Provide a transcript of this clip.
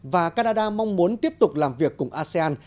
và canada mong muốn tiếp tục làm việc cùng asean